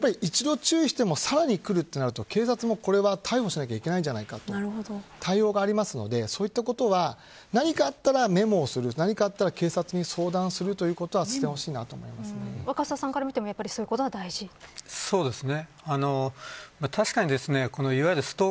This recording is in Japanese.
やっぱり一度注意してもさらに来るとなると警察もこれは逮捕しなきゃいけないんじゃないかと対応がありますのでそういったことは何かあったらメモをする何かあったら警察に相談するということは若狭さんから見てもそうですね。